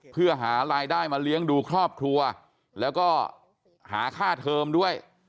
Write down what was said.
เพื่อหารายได้มาเลี้ยงดูครอบครัวแล้วก็หาค่าเทอมด้วย